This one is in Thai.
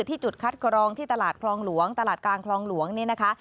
จุดคัดกรองที่ตลาดคลองหลวงตลาดกลางคลองหลวงนี่นะคะ